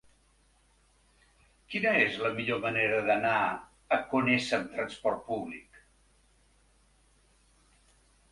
Quina és la millor manera d'anar a Conesa amb trasport públic?